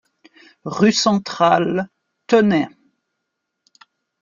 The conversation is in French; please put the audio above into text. Rue Centrale, Tenay